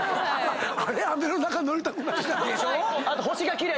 あれ雨の中乗りたくないな。